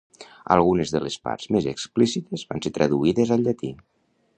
Algunes de les parts més explícites van ser traduïdes al llatí.